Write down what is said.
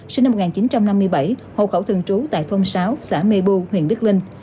sinh năm một nghìn chín trăm năm mươi bảy hộ khẩu thường trú tại thôn sáu xã mê bu huyện đức linh